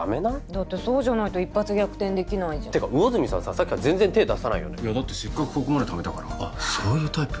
だってそうじゃないと一発逆転できないじゃんてか魚住さんささっきから全然手出さないよねいやだってせっかくここまでためたからあっそういうタイプ？